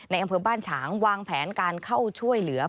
อำเภอบ้านฉางวางแผนการเข้าช่วยเหลือ